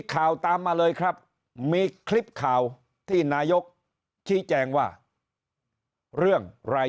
ข่าวตามมาเลยครับมีคลิปข่าวที่นายกชี้แจงว่าเรื่องราย